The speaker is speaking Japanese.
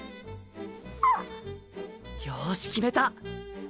よし決めた！